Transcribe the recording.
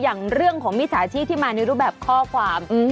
อย่างเรื่องของมิจฉาชีพที่มาในรูปแบบข้อความ